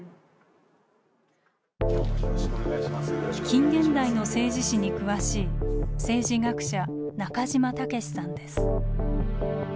近現代の政治史に詳しい政治学者・中島岳志さんです。